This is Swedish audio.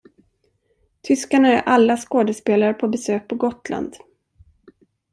Tyskarna är alla skådespelare på besök på Gotland.